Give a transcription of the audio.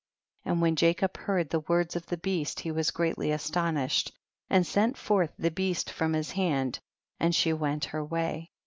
47. And when Jacob heard the words of the beast he was greatly astonished, and sent forth the beast from his hand, and she went her way.